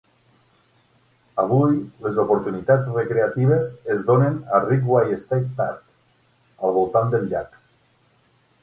Avui, les oportunitats recreatives es donen a Ridgway State Park, al voltant del llac.